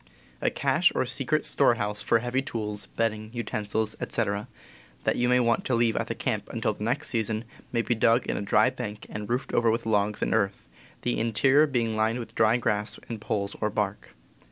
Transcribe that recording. A cache or secret storehouse for heavy tools, bedding, utensils, etc., that you may want to leave at the camp until the next season, may be dug in a dry bank and roofed over with logs and earth, the interior being lined with dry grass and poles or bark.